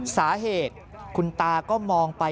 สาเหตุคุณตาก็มองไป